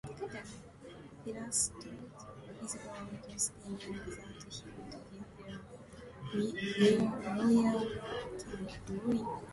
Fela stood his ground, stating, that he would get the royalties for his songs.